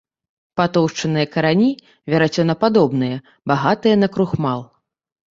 Патоўшчаныя карані, верацёнападобныя, багатыя на крухмал.